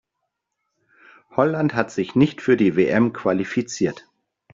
Holland hat sich nicht für die WM qualifiziert.